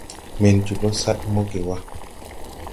Men jobo sad moge wà.